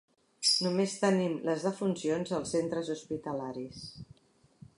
Només tenim les defuncions dels centres hospitalaris.